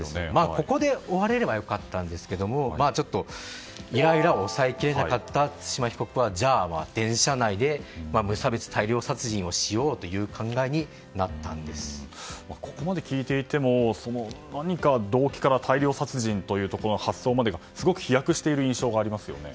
ここで終われれば良かったんですけどイライラを抑えきれなかった対馬被告はじゃあ、電車内で無差別大量殺人をしようというここまで聞いていても何か動機から大量殺人というところの発想まですごく飛躍している印象がありますよね。